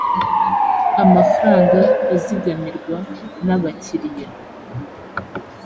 amafranga azigamirwa n abakiriya